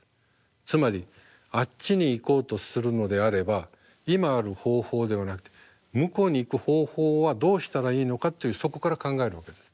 つまりあっちに行こうとするのであれば今ある方法ではなくて向こうに行く方法はどうしたらいいのかというそこから考えるわけです。